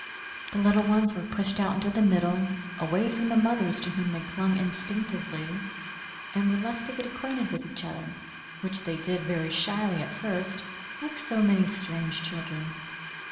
The little ones were pushed out into the middle, away from the mothers to whom they clung instinctively, and were left to get acquainted with each other, which they did very shyly at first, like so many strange children.